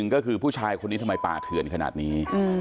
ก็คือผู้ชายคนนี้ทำไมป่าเถื่อนขนาดนี้